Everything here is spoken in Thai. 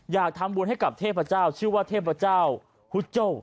อยากทำบุญให้กับเทพเจ้าชื่อว่าเทพเจ้าฮุโจ้